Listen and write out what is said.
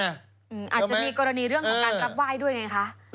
อาจจะมีกรณีเรื่องของการรับไหว้ด้วยไงคะ